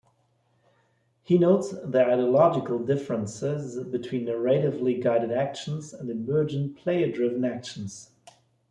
He notes the ideological differences between narratively guided actions and emergent, player-driven actions.